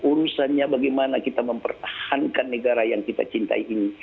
urusannya bagaimana kita mempertahankan negara yang kita cintai ini